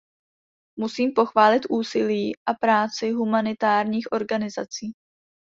Musím pochválit úsilí a práci humanitárních organizací.